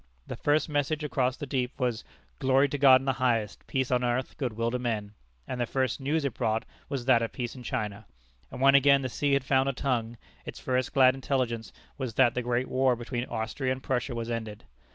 The first message across the deep was "Glory to God in the highest; peace on earth, good will to men," and the first news it brought was that of peace in China. And when again the sea had found a tongue, its first glad intelligence was that the great war between Austria and Prussia was ended.